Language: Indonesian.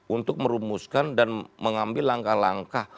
untuk merumuskan dan mengambil langkah langkah